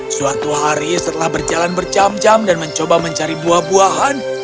suatu hari setelah berjalan berjam jam dan mencoba mencari buah buahan